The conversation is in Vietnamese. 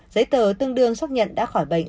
giấy tờ tương đương xác nhận đã khỏi bệnh